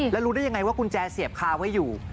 แล้วรู้ได้ยังไงว่ากุญแจเสียบคาไว้อยู่